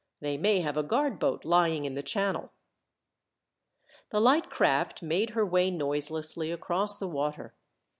They may have a guard boat lying in the channel." The light craft made her way noiselessly across the water.